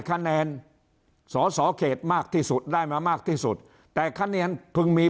คะแนนสอสอเขตมากที่สุดได้มามากที่สุดแต่คะแนนพึงมี